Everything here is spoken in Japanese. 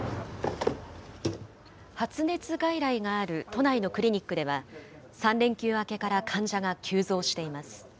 都内のクリニックでは、３連休明けから患者が急増しています。